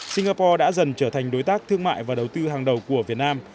singapore đã dần trở thành đối tác thương mại và đầu tư hàng đầu của việt nam